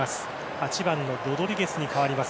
８番のロドリゲスに代わります。